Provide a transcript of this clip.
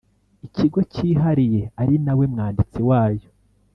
Ikigo cyihariye ari na we mwanditsi wayo